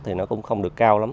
thì nó cũng không được cao lắm